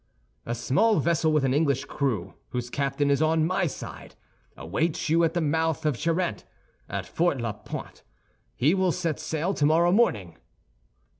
"A small vessel with an English crew, whose captain is on my side, awaits you at the mouth of Charente, at Fort La Pointe*. He will set sail tomorrow morning."